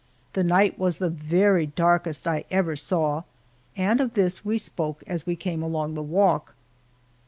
The night was the very darkest I ever saw, and of this we spoke as we came along the walk.